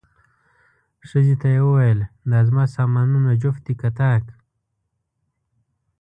ښځې ته یې وویل، دا زما سامانونه جفت دي که طاق؟